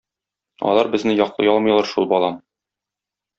Алар безне яклый алмыйлар шул, балам!